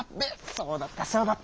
そうだったそうだった。